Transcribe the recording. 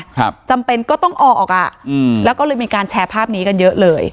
ครับจำเป็นก็ต้องออกอ่ะอืมแล้วก็เลยมีการแชร์ภาพนี้กันเยอะเลย